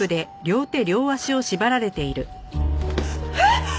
えっ！？